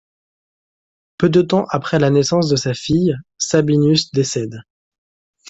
Peu de temps après la naissance de sa fille, Sabinus décède.